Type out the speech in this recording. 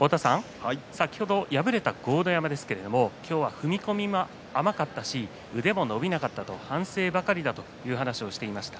先ほど敗れた豪ノ山ですが今日は踏み込みが甘かったし腕も伸びなかったと反省ばかりだという話をしていました。